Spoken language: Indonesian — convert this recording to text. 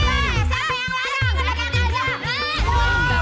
bangga banget sih